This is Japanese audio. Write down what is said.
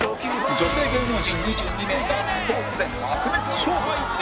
女性芸能人２２名がスポーツで白熱勝負！